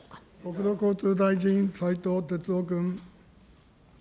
国土交通大臣、斉藤鉄夫君。